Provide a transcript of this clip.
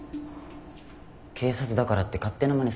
警察だからって勝手なまねすんじゃねえよ。